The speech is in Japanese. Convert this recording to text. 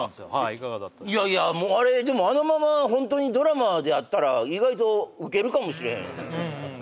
いかがだったいやいやもうあれでもあのままホントにドラマでやったら意外とウケるかもしれへんうんうん